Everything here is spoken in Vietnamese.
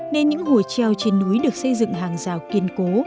nên những hồ treo trên núi được xây dựng hàng rào kiên cố